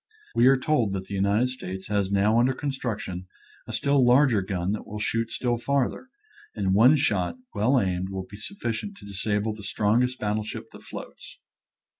We are told that the United States has now under construction a still larger gun that will shoot still farther, and one shot well aimed will be sufficient to disable the strongest battle ship that floats.